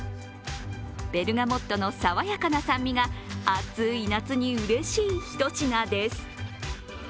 ベルガモットの爽やかな酸味が暑い夏にうれしいひと品です。